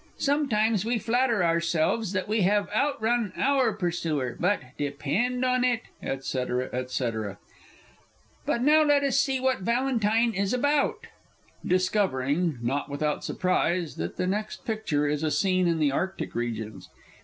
Sometimes we flatter ourselves that we have outrun our pursuer but, depend upon it, &c., &c. But now let us see what Valentine is about (Discovering, not without surprise, that the next picture is a Scene in the Arctic Regions).